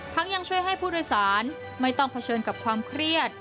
ยังช่วยให้ผู้โดยสารไม่ต้องเผชิญกับความเครียด